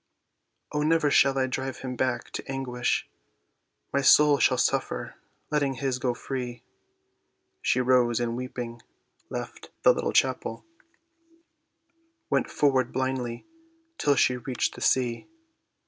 "O, never shall I drive him back to anguish, My soul shall suffer, letting his go free." She rose, and weeping, left the little chapel, Went forward blindly till she reached the sea.